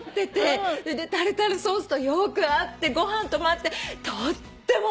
それでタルタルソースとよく合ってご飯とも合ってとってもおいしかったです！